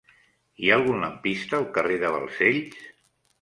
Hi ha algun lampista al carrer de Balcells?